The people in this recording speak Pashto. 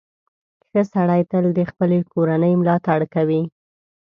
• ښه سړی تل د خپلې کورنۍ ملاتړ کوي.